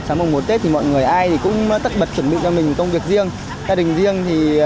sáng mùng mùa tết thì mọi người ai cũng tất bật chuẩn bị cho mình công việc riêng gia đình riêng